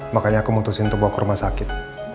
makanya aku memutuskan untuk bawa ke rumah sakit